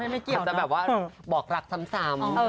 มันจะแบบว่าบอกรักซ้ำ